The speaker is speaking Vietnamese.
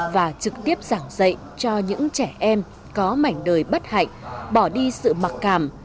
và trực tiếp giảng dạy cho những trẻ em có mảnh đời bất hạnh bỏ đi sự mặc cảm